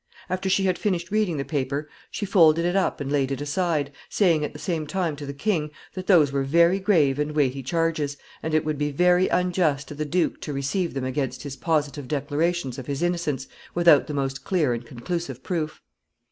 After she had finished reading the paper she folded it up and laid it aside, saying at the same time to the king that those were very grave and weighty charges, and it would be very unjust to the duke to receive them against his positive declarations of his innocence, without the most clear and conclusive proof.